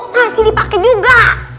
masih dipake juga